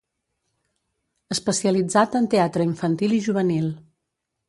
Especialitzat en teatre infantil i juvenil.